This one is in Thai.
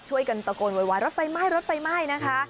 ช่วยกันตะโกนไวรถไฟไหม้รถไฟไหม้นะคะ